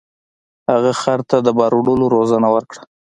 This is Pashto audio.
هغه خر ته د بار وړلو روزنه ورکړه.